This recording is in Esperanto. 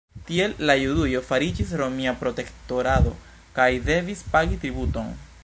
Tiel la Judujo fariĝis romia protektorato kaj devis pagi tributon.